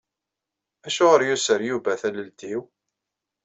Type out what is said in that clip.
Acuɣer yuser Yuba talelt-iw?